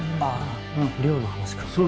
ああ量の話か。